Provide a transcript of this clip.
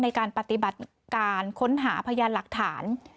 ในการปฏิบัติการค้นหาพยานหลักฐาน